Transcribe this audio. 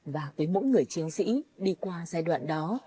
và với mỗi người chiến sĩ đi qua giai đoạn đó